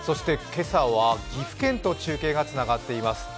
今朝は岐阜県と中継がつながっています。